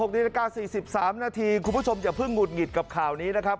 นาฬิกา๔๓นาทีคุณผู้ชมอย่าเพิ่งหุดหงิดกับข่าวนี้นะครับ